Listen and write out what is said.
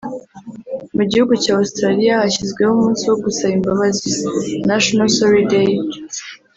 Mu gihugu cya Australia hashyizweho umunsi wo gusaba imbabazi (National Sorry Day)